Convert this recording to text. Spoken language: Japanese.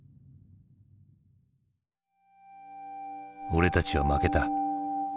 「俺たちは負けた」。